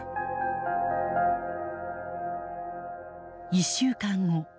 １週間後。